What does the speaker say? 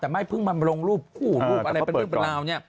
แต่ไม่เพิ่งมาลงรูปคู่รูปอะไรเป็นเรื่องเป็นราวเนี่ย